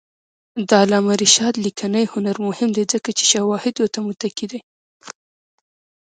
د علامه رشاد لیکنی هنر مهم دی ځکه چې شواهدو ته متکي دی.